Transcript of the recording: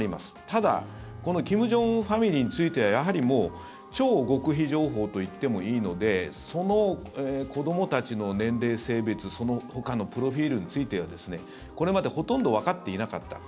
ただこの金正恩ファミリーについては超極秘情報といってもいいのでその子どもたちの年齢、性別そのほかのプロフィルについてはこれまでほとんどわかっていなかった。